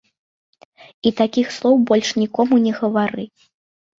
І такіх слоў больш нікому не гавары.